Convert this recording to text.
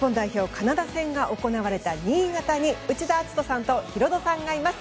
カナダ戦が行われた新潟に内田篤人さんとヒロドさんがいます。